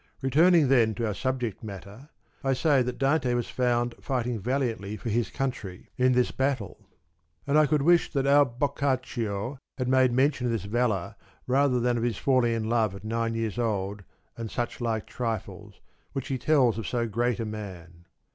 Returning then to our subject matter I say that Dante was found fighting valiantly for his country in this battle ; and I could wish that our Boccaccio had made ^ mention of this valour rather than of his falling in love at nine years old and such like trifles, which he tells of so great a man.